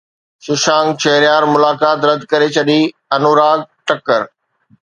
ششانڪ شهريار ملاقات رد ڪري ڇڏي انوراگ ٺڪر